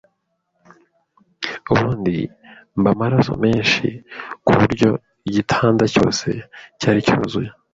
ubundi mba amaraso menshi ku buryo igitanda cyose cyari cyuzuye